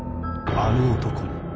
あの男に。